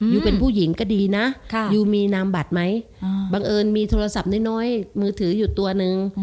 ยูเป็นผู้หญิงก็ดีนะยูมีนามบัตรไหมบังเอิญมีโทรศัพท์น้อยมือถืออยู่ตัวนึง